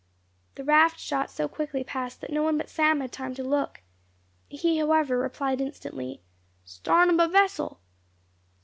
The raft shot so quickly past that no one but Sam had time to look. He, however, replied instantly, "Starn ob a vessel!"